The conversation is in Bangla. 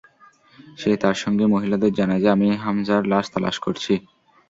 সে তার সঙ্গী মহিলাদের জানায় যে, আমি হামযার লাশ তালাশ করছি।